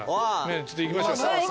ちょっと行きましょう。